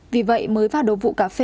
vì vậy mới vào đầu vụ cà phê